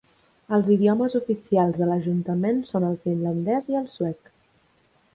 Els idiomes oficials de l"ajuntament són el finlandès i el suec.